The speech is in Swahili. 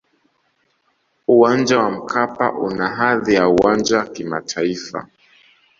uwanja wa mkapa una hadhi ya uwanja kimataifa